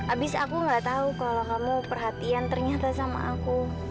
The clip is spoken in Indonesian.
abis aku nggak tahu kalau kamu perhatian ternyata sama aku